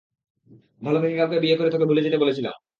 ভালো দেখে কাউকে বিয়ে করে তোকে ভুলে যেতে বলেছিলাম।